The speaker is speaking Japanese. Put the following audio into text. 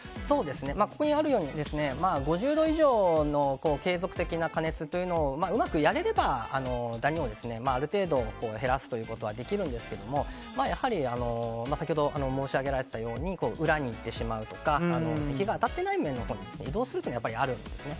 ここにあるように５０度以上の継続的な加熱をうまくやれればダニを、ある程度減らすということはできるんですけれども先ほど申し上げられたとおり裏に行ってしまうとか日が当たってない面に移動するということがあるんですね。